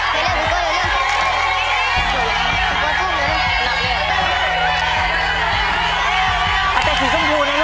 เยินเต้น